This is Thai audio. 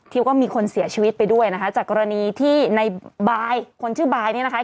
ว่าก็มีคนเสียชีวิตไปด้วยนะคะจากกรณีที่ในบายคนชื่อบายเนี่ยนะคะ